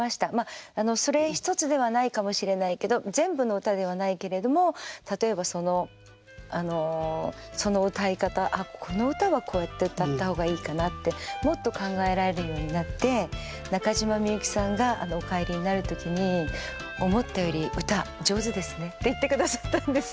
それ一つではないかもしれないけど全部の歌ではないけれども例えばその歌い方この歌はこうやって歌った方がいいかなってもっと考えられるようになって中島みゆきさんがお帰りになる時に「思ったより歌上手ですね」って言ってくださったんですよ。